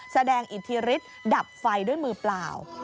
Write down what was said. แสดงอิทธิฤทธิ์ดับไฟด้วยมือเปล่า